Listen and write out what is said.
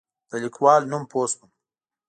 د لیکوال نوم پوه شوم.